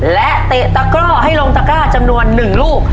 และเตะตะกร่อให้ลงตะกร้าจำนวน๑ลูก